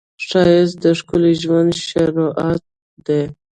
ښایست د ښکلي ژوند شروعات دی